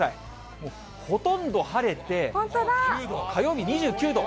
もうほとんど晴れて、火曜日２９度。